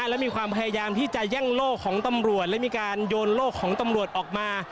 และมีความพยายามที่จะแย่งโลกของตำรวจและมีการโยนโลกของตำรวจออกมา